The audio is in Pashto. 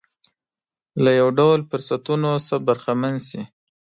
له یو ډول فرصتونو څخه برخمن شي.